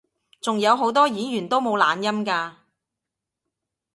仲有好多演員都冇懶音㗎